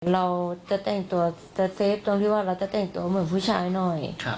เราจะแต่งตัวสเตฟตรงที่ว่าเราจะแต่งตัวเหมือนผู้ชายหน่อย